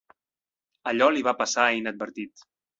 Allò li va passar inadvertit.